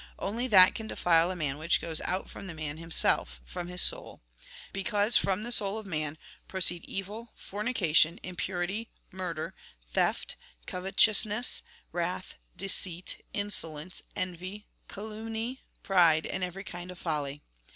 Only that can defile a man which goes out from the man himself, from his souL Because from the soul of man proceed evil, fornication, impurity, murder, theft, covetousness, wrath, deceit, insolence, envy, calumny, pride, and every kind of folly.